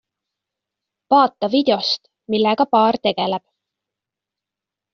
Vaata videost, millega paar tegeleb!